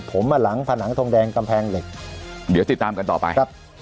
ผมมาหลังผนังทองแดงกำแพงเหล็กเดี๋ยวติดตามกันต่อไปครับ